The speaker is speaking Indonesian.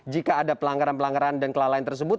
jika ada pelanggaran pelanggaran dan kelalaian tersebut